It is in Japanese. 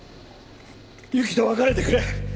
ユキと別れてくれ！